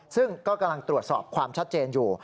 ซึ่งก็กำลังตรวจสอบความชัดเจนอยู่